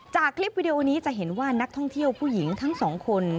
จากคลิปวิดีโอนี้จะเห็นว่านักท่องเที่ยวผู้หญิงทั้งสองคน